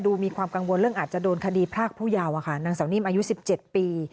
มีความกังวลเรื่องอาจจะโดนคดีพรากผู้ยาวอะค่ะนางสาวนิ่มอายุ๑๗ปี